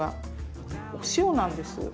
お塩なんです。